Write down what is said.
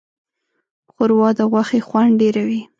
ښوروا د غوښې خوند ډېروي.